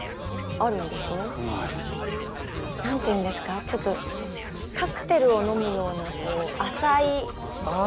何て言うんですかちょっとカクテルを飲むような浅いグラスって言うんですか？